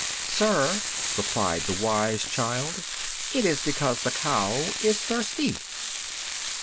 "Sir," replied the wise child, "it is because the cow is thirsty."